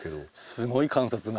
すごい観察眼。